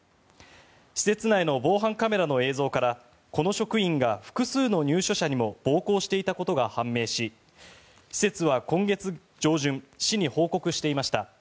施設内の防犯カメラの映像からこの職員が複数の入所者にも暴行していたことが判明し施設は今月上旬市に報告していました。